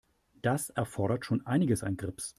Das erfordert schon einiges an Grips.